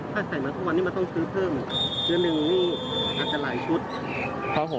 ถ้าใส่มาทุกวันนี้มันต้องซื้อเพิ่มเนื้อหนึ่งนี่อาจจะหลายชุด